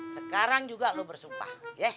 sekarang juga lo bersumpah